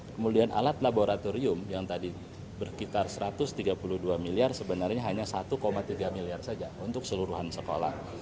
kemudian alat laboratorium yang tadi berkitar satu ratus tiga puluh dua miliar sebenarnya hanya satu tiga miliar saja untuk seluruhan sekolah